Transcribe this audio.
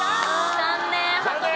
残念。